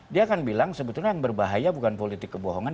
dia akan bilang sebetulnya yang berbahaya bukan politik kebohongan